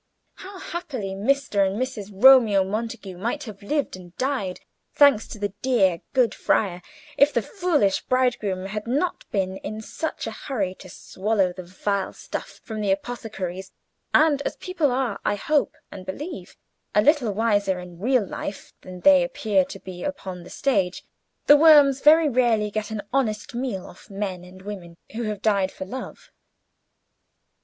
How happily Page 55 Mr. and Mrs. Romeo Montague might have lived and died, thanks to the dear, good friar, if the foolish bridegroom had not been in such a hurry to swallow the vile stuff from the apothecary's; and, as people are, I hope and believe, a little wiser in real life than they appear to be upon the stage, the worms very rarely get an honest meal off men and women who have died for love.